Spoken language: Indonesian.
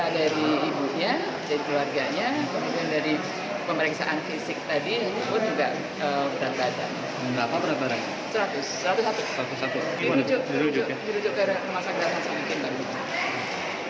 dirujuk karena rumah sakit hasan sadegin